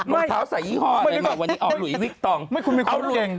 รองเท้าใส่ยี่ห้ออะไรวันนี้เอาหลุยวิกตอง